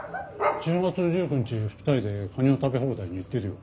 １０月１９日２人でカニの食べ放題に行ってるよ。